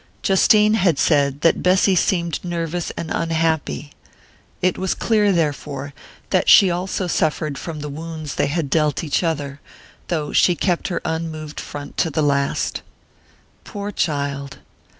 Justine had said that Bessy seemed nervous and unhappy: it was clear, therefore, that she also had suffered from the wounds they had dealt each other, though she kept her unmoved front to the last. Poor child!